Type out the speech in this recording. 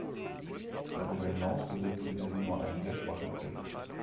Darüber hinaus besitzen sie nur ein sehr schwaches Gift.